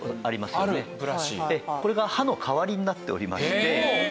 これが歯の代わりになっておりまして。